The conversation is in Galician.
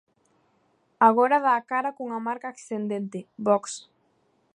Agora dá a cara cunha marca ascendente, Vox.